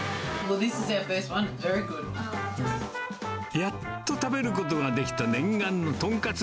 やっと食べることができた念願の豚カツ。